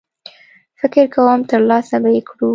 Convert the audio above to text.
فکر کوم ترلاسه به یې کړو.